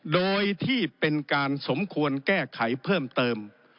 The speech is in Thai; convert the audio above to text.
โดยที่เป็นการสมควรแก้ไขเพิ่มเติม